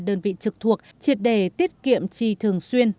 đơn vị trực thuộc triệt đề tiết kiệm chi thường xuyên